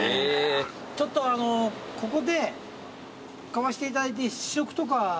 ちょっとあのここで買わせていただいて試食とか。